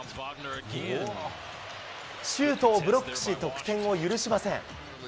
シュートをブロックし、得点を許しません。